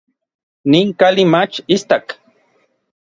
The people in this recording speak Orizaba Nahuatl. Nin kali mach istak.